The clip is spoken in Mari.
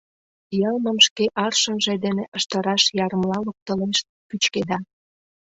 Йылмым шке аршынже дене ыштыраш ярымла локтылеш, пӱчкеда.